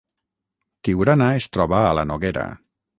Tiurana es troba a la Noguera